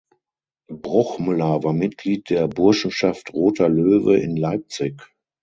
Bruchmüller war Mitglied der "Burschenschaft Roter Löwe" in Leipzig.